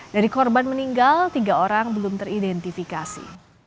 dari korban meninggal tiga orang belum teridentifikasi